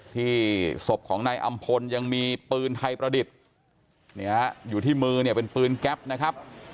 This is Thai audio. ที่ศพของนายอำพลยังมีปืนไทยประดิษฐ์อยู่ที่มือเนี่ยเป็นปืนแก๊ปนะครับ